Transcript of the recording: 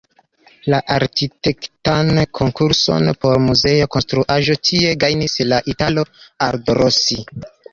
La arkitektan konkurson por muzea konstruaĵo tie gajnis la italo "Aldo Rossi".